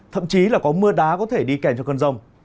thậm chí là có mưa đá có thể đi kèm cho cơn rông